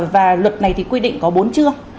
và luật này thì quy định có bốn chương